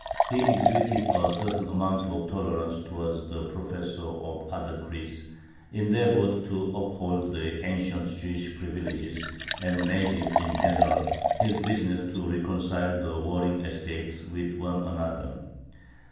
He exhibited a certain amount of tolerance towards the professors of other creeds, endeavored to uphold the ancient Jewish privileges, and made it, in general, his business to reconcile the warring estates with one another.